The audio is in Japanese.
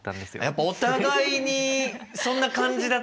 やっぱお互いにそんな感じだったんだ。